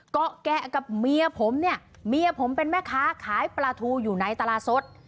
เกาะแกะกับเมียผมเนี่ยเมียผมเป็นแม่ค้าขายปลาทูอยู่ในตลาดสด